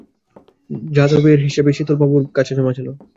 যাদবের ভাঙা ঘরের চাবি গ্রামের জমিদার হিসাবে শীতলবাবুর কাছে জমা ছিল।